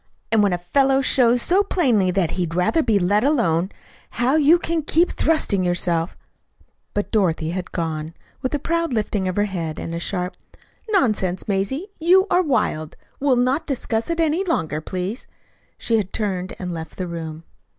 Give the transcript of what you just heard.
And when a fellow shows so plainly that he'd rather be let alone, how you can keep thrusting yourself " But Dorothy had gone. With a proud lifting of her head, and a sharp "Nonsense, Mazie, you are wild! We'll not discuss it any longer, please," she had turned and left the room.